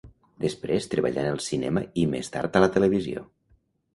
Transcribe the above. Després treballà en el cinema i més tard a la televisió.